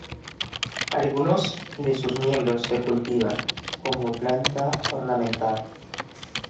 Algunos de sus miembros se cultiva como planta ornamental.